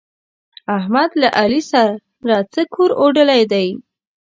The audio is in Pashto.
احمد له علي سره څه کور اوډلی دی؟!